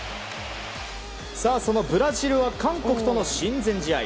そのブラジルは韓国との親善試合。